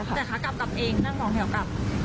แต่ขากลับเองนั่งสองแถวกลับ